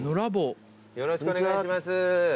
よろしくお願いします。